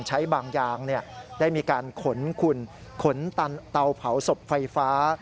ใช้บางอย่างเนี่ยได้มีการขนขุ่นขนตัวเผาศพไฟฟ้า